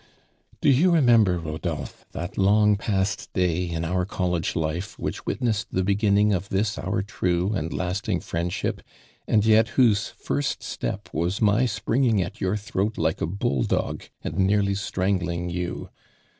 *' Do you i emember, Kodolphe, that long past day in our college life, which witness ed the beginning of this our true and last ing friendship, and yet whose first stop was my springing at yoiu' throat like a bull dog and nearly strangling you.